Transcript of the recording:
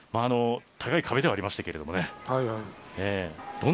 高い壁ではありましたけれどもね。